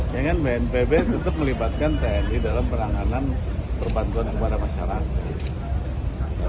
ya kan bnpb tetap melibatkan tni dalam peranganan perbantuan kepada masyarakat